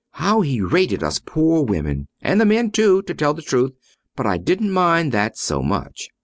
How he rated us poor women! and the men, too, to tell the truth, but I didn't mind that so much.